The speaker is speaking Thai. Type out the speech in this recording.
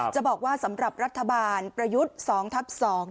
จะบอกว่าสำหรับรัฐบาลประยุทธ์๒ทับ๒